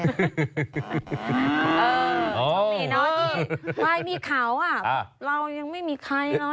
เออมีเนอะนี่ควายมีเขาเรายังไม่มีใครเลย